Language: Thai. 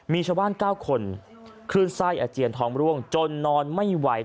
มีชาวบ้าน๙คนคลื่นไส้อาเจียนทองร่วงจนนอนไม่ไหว